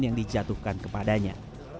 yang dijatuhkan kepadanya